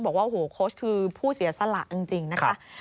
บอกว่าโค้ชคือผู้เสียสละจริงนะครับ